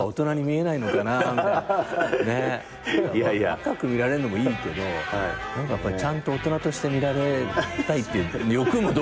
若く見られるのもいいけどちゃんと大人として見られたいって欲もどっかにある。